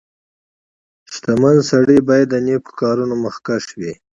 • شتمن سړی باید د نیکو کارونو مخکښ وي.